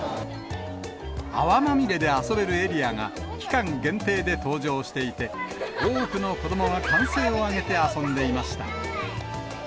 泡まみれで遊べるエリアが、期間限定で登場していて、多くの子どもが歓声を上げて遊んでいました。